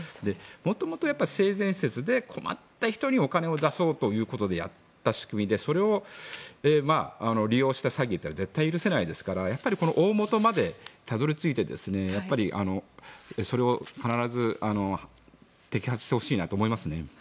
元々、性善説で困った人にお金を出そうということでやった仕組みでそれを利用した詐欺というのは絶対に許せないですからやっぱり大本までたどり着いてそれを必ず摘発してほしいなと思いますね。